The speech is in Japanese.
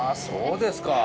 そうです。